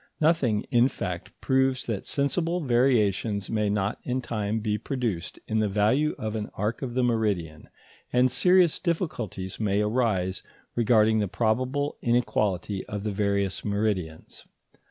Nothing, in fact, proves that sensible variations may not in time be produced in the value of an arc of the meridian, and serious difficulties may arise regarding the probable inequality of the various meridians.